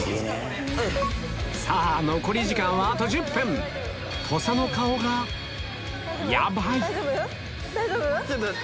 さぁ残り時間はあと１０分土佐の顔がヤバい大丈夫？